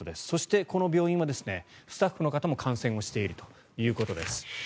そして、この病院はスタッフの方も感染しているということです。